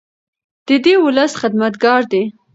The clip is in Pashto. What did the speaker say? دی د ولس خدمتګار دی.